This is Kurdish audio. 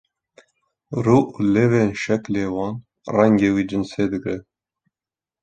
rû û lêvên şeklê wan rengê wî cinsê digre